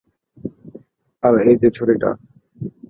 আর এইযে ছুড়িটা।